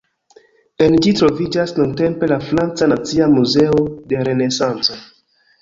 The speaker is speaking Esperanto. En ĝi troviĝas nuntempe la "Franca Nacia Muzeo de Renesanco".